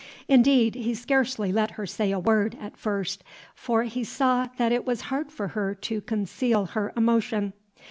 Indeed, he scarcely let her say a word, at first; for he saw that it was hard for her to conceal her emotion.